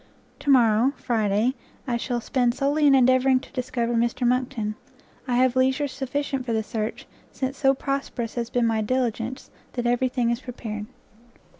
To morrow, Friday, I shall spend solely in endeavouring to discover. Mr Monckton; I have leisure sufficient for the search, since so prosperous has been my diligence, that every thing is prepared!